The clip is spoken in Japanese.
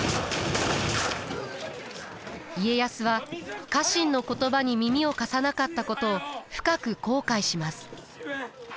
家康は家臣の言葉に耳を貸さなかったことを深く後悔します。